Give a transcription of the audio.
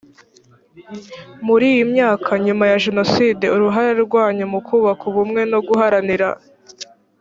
muri iyi myaka nyuma ya jenoside uruhare rwanyu mu kubaka ubumwe no guharanira